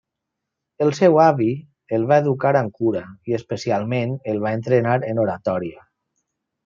El seu avi el va educar amb cura i especialment el va entrenar en oratòria.